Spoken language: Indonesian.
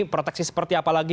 proteksi seperti apa lagi